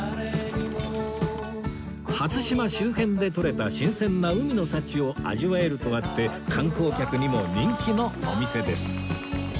初島周辺でとれた新鮮な海の幸を味わえるとあって観光客にも人気のお店です